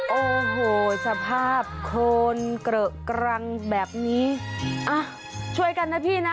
โอ้โหสภาพโคนเกรอะกรังแบบนี้อ่ะช่วยกันนะพี่นะ